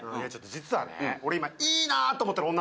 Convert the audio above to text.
実はね俺今いいなと思ってる女の子がいて。